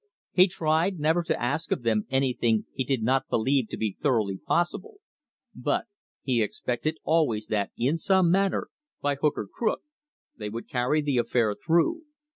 He tried never to ask of them anything he did not believe to be thoroughly possible; but he expected always that in some manner, by hook or crook, they would carry the affair through.